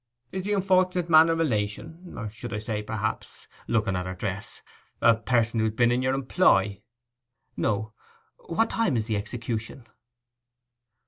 Is the unfortunate man a relation; or, I should say, perhaps' (looking at her dress) 'a person who's been in your employ?' 'No. What time is the execution?